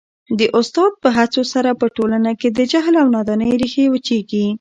د استاد په هڅو سره په ټولنه کي د جهل او نادانۍ ریښې وچیږي.